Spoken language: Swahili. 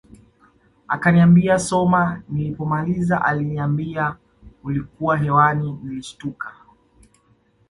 Akaniambia soma nilipomaliza aliambia ulikuwa hewani nilishtuka